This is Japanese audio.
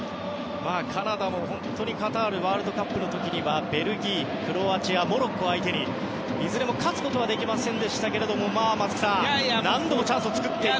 カナダも本当にカタールワールドカップの時にはベルギー、クロアチアモロッコ相手にいずれも勝つことはできませんでしたが松木さん何度もチャンスを作っていた。